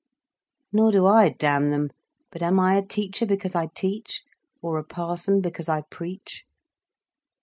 "Nor do I, damn them. But am I a teacher because I teach, or a parson because I preach?"